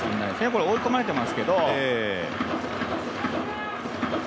これ、追い込まれていますけど。